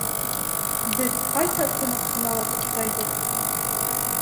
Беҙ ҡайһы ҡунаҡханала туҡтайбыҙ?